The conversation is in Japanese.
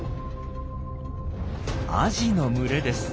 アジの群れです。